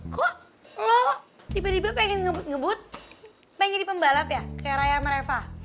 kok lo tiba tiba pengen ngebut ngebut pengen jadi pembalap ya kayak raya mereka